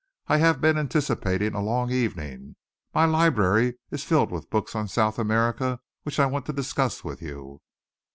I have been anticipating a long evening. My library is filled with books on South America which I want to discuss with you."